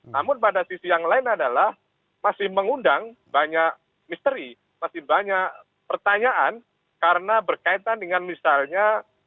namun pada sisi yang lain adalah masih mengundang banyak misteri masih banyak pertanyaan karena berkaitan dengan misalnya